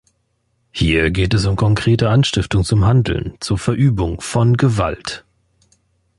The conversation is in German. Hier geht es um konkrete Anstiftung zum Handeln, zur Verübung von Gewalt.